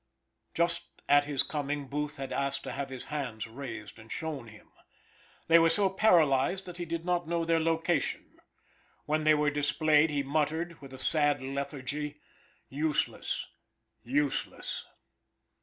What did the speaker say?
Just at his coming Booth had asked to have his hands raised and shown him. They were so paralyzed that he did not know their location. When they were displayed he muttered, with a sad lethargy, "Useless, useless."